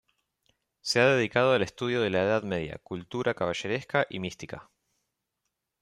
Se ha dedicado al estudio de la Edad Media: cultura caballeresca y mística.